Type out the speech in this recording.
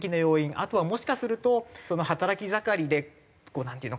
あとはもしかすると働き盛りでなんていうのかな。